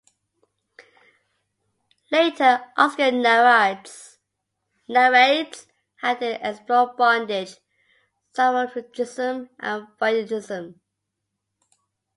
Later, Oscar narrates how they explored bondage, sadomasochism, and voyeurism.